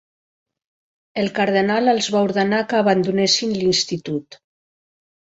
El cardenal els va ordenar que abandonessin l'institut.